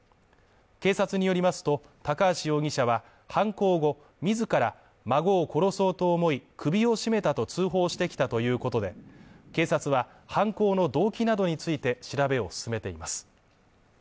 警察によりますと、高橋容疑者は犯行後、自ら孫を殺そうと思い首を絞めたと通報してきたということで、警察は犯行の動機などについて調べを進めています。